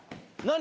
何？